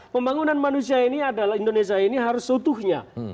pembangunan manusia ini adalah indonesia ini harus seutuhnya